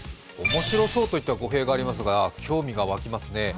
面白そうといったら語弊がありますが、興味が湧きますね。